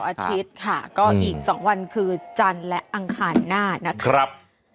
อาทิตย์ค่ะก็อีก๒วันคือจันทร์และอังคารหน้านะครับ